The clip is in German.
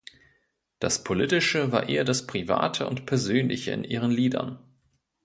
Das Politische war eher das Private und Persönliche in ihren Liedern.